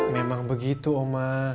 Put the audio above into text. memang begitu oma